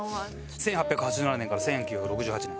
１８８７年から１９６８年。